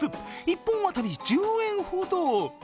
１本当たり１０円ほど。